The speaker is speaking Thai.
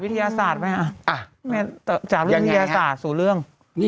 ศาสตร์ไหมจากวิทยาศาสตร์สู่เรื่อง